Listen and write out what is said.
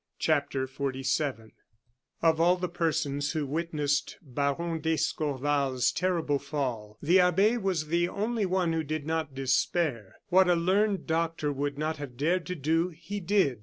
CHAPTER XLVII Of all the persons who witnessed Baron d'Escorval's terrible fall, the abbe was the only one who did not despair. What a learned doctor would not have dared to do, he did.